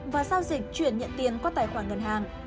và giao dịch chuyển nhận tiền qua tài khoản ngân hàng